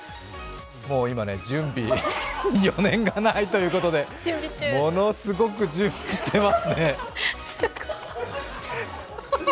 もう今ね、準備に余念がないということで、ものすごく準備してますね。